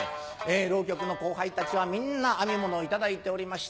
浪曲の後輩たちはみんな編み物を頂いておりまして。